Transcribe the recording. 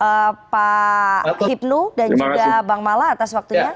terima kasih pak hipnu dan juga bang mala atas waktunya